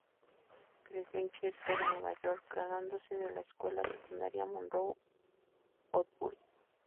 Creció en Chester, Nueva York, graduándose de la Escuela Secundaria Monroe-Woodbury.